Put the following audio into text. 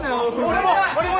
俺も！